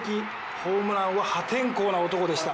ホームランは破天荒な男でした。